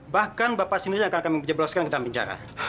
bahkan bapak sendiri yang akan kami belajarkan di dalam penjara